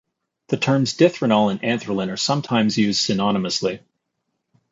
The terms dithranol and anthralin are sometimes used synonymously.